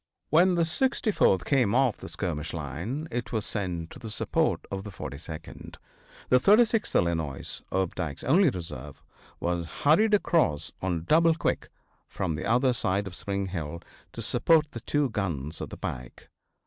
When the 64th came off the skirmish line it was sent to the support of the 42d. The 36th Illinois, Opdycke's only reserve, was hurried across on double quick from the other side of Spring Hill to support the two guns at the pike.